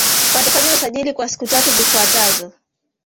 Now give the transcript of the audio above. Watafanya usajili kwa siku tatu zifuatazo